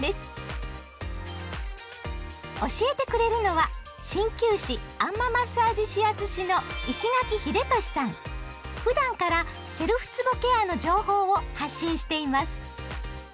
教えてくれるのは鍼灸師あん摩マッサージ指圧師のふだんからセルフつぼケアの情報を発信しています。